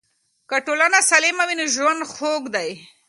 که ټولنه سالمه وي نو ژوند خوږ دی.